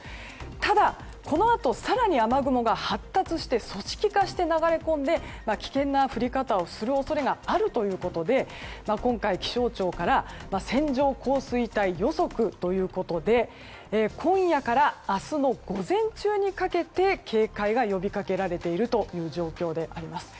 ただ、このあと更に雨雲が発達して組織化して流れ込んで危険な降り方をする恐れがあるということで今回、気象庁から線状降水帯予測ということで今夜から明日の午前中にかけて警戒が呼びかけられている状況です。